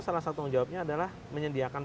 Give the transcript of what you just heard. salah satu tanggung jawabnya adalah menyediakan